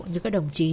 như các đồng chí